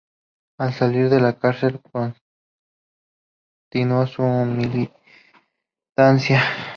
Al salir de la cárcel continuó su militancia.